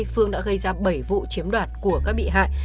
phương đã gây ra bảy vụ chiếm đoạt của các bị hại